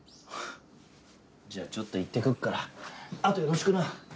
じゃあちょっと行ってくるからあとよろしくな。